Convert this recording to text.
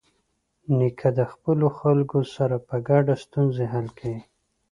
نیکه د خپلو خلکو سره په ګډه ستونزې حل کوي.